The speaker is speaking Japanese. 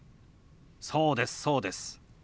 そうですそうです。